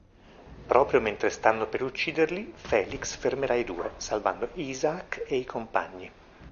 Proprio mentre stanno per ucciderli, Felix fermerà i due, salvando Isaac e i compagni.